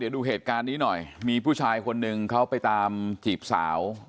ดูเหตุการณ์นี้หน่อยมีผู้ชายคนหนึ่งเขาไปตามจีบสาว